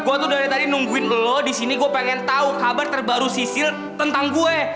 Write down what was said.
gue tuh dari tadi nungguin lo disini gue pengen tahu kabar terbaru sisil tentang gue